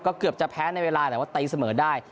เกือบจะแพ้ในเวลาแต่ว่าตีเสมอได้